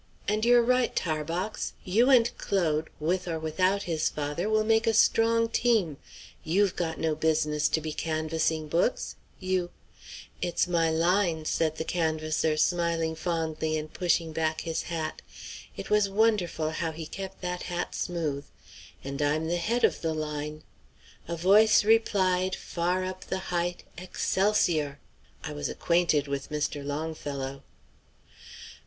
And you're right, Tarbox; you and Claude, with or without his father, will make a strong team. You've got no business to be canvassing books, you" "It's my line," said the canvasser, smiling fondly and pushing his hat back, it was wonderful how he kept that hat smooth, "and I'm the head of the line: 'A voice replied far up the height, Excelsior!' I was acquainted with Mr. Longfellow."